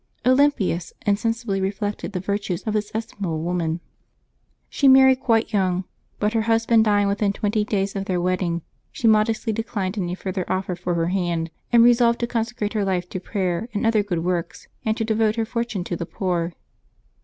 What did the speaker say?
Olympias insensibly reflected the virtues of this estimable woman. She married quite 3^oung, but her hus Dbwcmbeb 18] LIVES OF THE SAINTS 381 band dying within twenty days of their wedding, she modestly declined any further offer for her hand, and resolved to consecrate her life to prayer and other good works, and to devote her fortune to the poor.